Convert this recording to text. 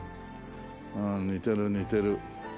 うん似てる似てる。